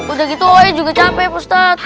udah gitu woy juga capek ustadz